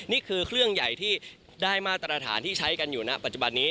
นี่คือเครื่องใหญ่ที่ได้มาตรฐานที่ใช้กันอยู่ณปัจจุบันนี้